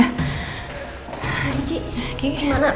hai cik gimana